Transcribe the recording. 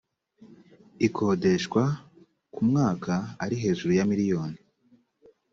ikodeshwa ku mwaka ari hejuru ya miliyoni